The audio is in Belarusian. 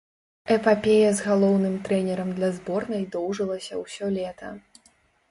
Эпапея з галоўным трэнерам для зборнай доўжылася ўсё лета.